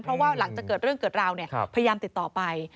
เพราะว่าหลังจากเกิดเรื่องเกิดราวพยายามติดต่อไป